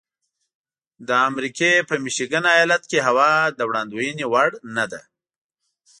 د امریکې په میشیګن ایالت کې هوا د وړاندوینې وړ نه ده.